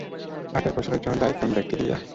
পাটের পচনের জন্য দায়ী কোন ব্যাকটেরিয়া?